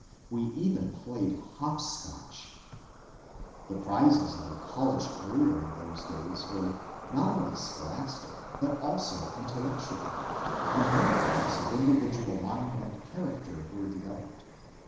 We even played hopscotch I The prizes of a college career in those days were not only scholastic but also intellectual, and many types of individual mind and character were developed.